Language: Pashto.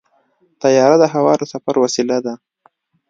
طیاره د هوا د سفر وسیله ده.